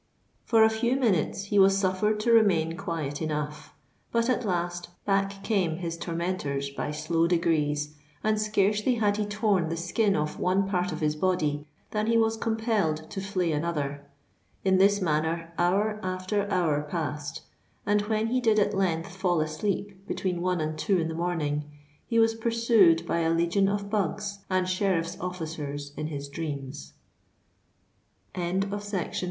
For a few minutes he was suffered to remain quiet enough; but at last, back came his tormentors by slow degrees; and scarcely had he torn the skin off one part of his body, than he was compelled to flay another. In this manner hour after hour passed; and, when he did at length fall asleep between one and two in the morning, he was pursued by a legion of bugs and sheriff's officers in his dreams. CHAPTER CIV. THE VISIT.